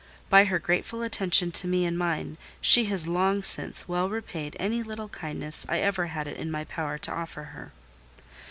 By her grateful attention to me and mine, she has long since well repaid any little kindness I ever had it in my power to offer her.